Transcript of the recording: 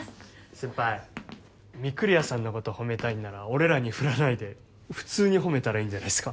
先輩御厨さんのこと褒めたいなら俺らに振らないで普通に褒めたらいいんじゃないっすか？